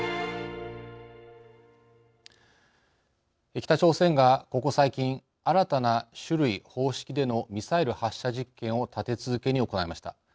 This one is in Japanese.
北朝鮮がここ最近新たな種類・方式でのミサイル発射実験を立て続けに行いました。